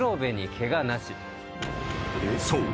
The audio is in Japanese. ［そう。